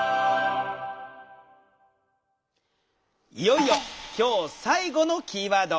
いよいよ今日最後のキーワード